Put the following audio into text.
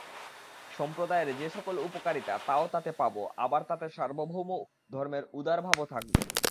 সম্প্রদায়ের যে-সকল উপকারিতা তাও তাতে পাব, আবার তাতে সার্বভৌম ধর্মের উদারভাবও থাকবে।